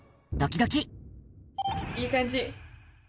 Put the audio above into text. いい感じ。